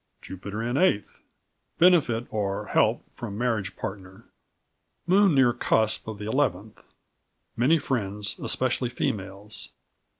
"Jupiter in the 8th, benefit or help from marriage partner. "Moon near cusp of the 11th, many friends, especially females.